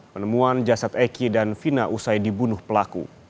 penemuan jasad eki dan fina usai dibunuh pelaku